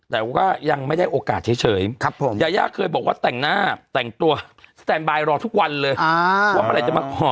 แต่ว่ายังไม่ได้โอกาสเฉยยายาเคยบอกว่าแต่งหน้าแต่งตัวสแตนบายรอทุกวันเลยว่าเมื่อไหร่จะมาขอ